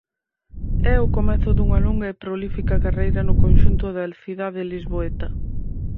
É o comezo dunha longa e prolífica carreira no conxunto da cidade lisboeta.